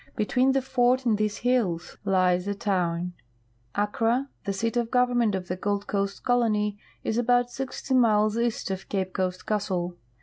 Between the fort and these hills lies the town. Akkra, the seat of government of the Gold Coast colony, is about sixt}^ miles east of Cape Coast Castle.